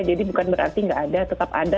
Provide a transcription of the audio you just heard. jadi bukan berarti nggak ada tetap ada